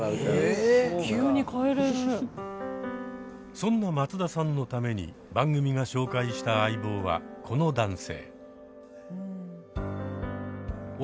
そんな松田さんのために番組が紹介した相棒はこの男性